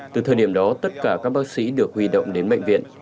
từ thời điểm đó tất cả các bác sĩ được huy động đến bệnh viện